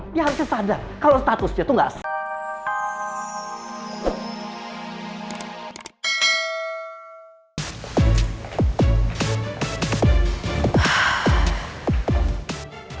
harusnya sadar kalau statusnya tuh gak